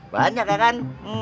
banyak ya kan